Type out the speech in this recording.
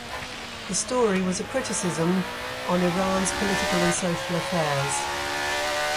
The story was a criticism on Iran's political and social affairs.